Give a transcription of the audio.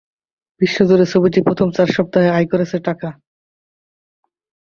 বিশ্ব জুড়ে ছবিটি প্রথম চার সপ্তাহে আয় করেছে টাকা।